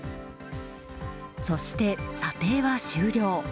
そして、査定は終了。